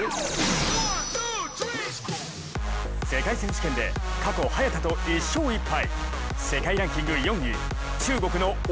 世界選手権で過去、早田と１勝１敗